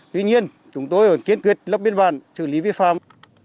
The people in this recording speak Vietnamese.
tuy nhiên chúng tôi vẫn kiên quyết lập biên bản xử lý vi phạm